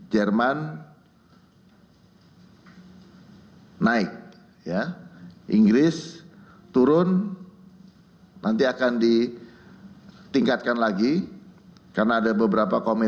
enam ratus enam dua juta dolar amerika